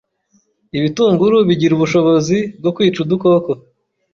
Ibitunguru bigira ubushobozi bwo kwica udukoko